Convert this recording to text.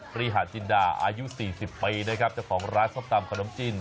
บริหารจินดาอายุ๔๐ปีนะครับเจ้าของร้านส้มตำขนมจีน